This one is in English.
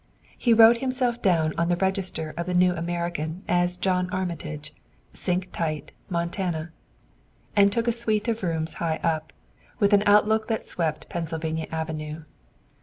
He wrote himself down on the register of the New American as John Armitage, Cinch Tight, Montana, and took a suite of rooms high up, with an outlook that swept Pennsylvania Avenue.